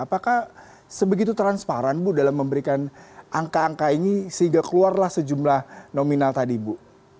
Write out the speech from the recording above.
apakah sebegitu transparan bu dalam memberikan angka angka ini sehingga keluarlah sejumlah nominal tadi bu